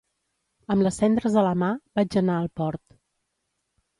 Amb les cendres a la mà, vaig anar al port.